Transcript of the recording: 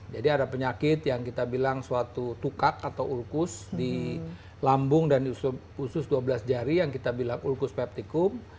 jadi ada penyakit yang kita bilang suatu tukak atau ulkus di lambung dan usus dua belas jari yang kita bilang ulcus pepticum